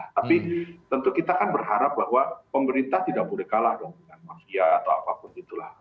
tapi tentu kita kan berharap bahwa pemerintah tidak boleh kalah dong dengan mafia atau apapun itulah